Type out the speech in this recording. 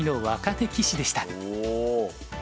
お！